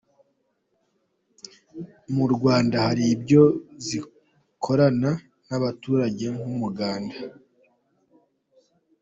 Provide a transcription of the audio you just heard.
Mu Rwanda hari ibyo zikorana n’abaturage nk’umuganda.